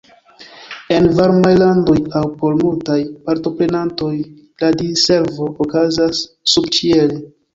En varmaj landoj aŭ por multaj partoprenantoj la diservo okazas subĉiele.